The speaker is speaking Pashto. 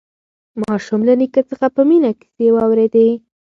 ماشوم له نیکه څخه په مینه کیسې واورېدې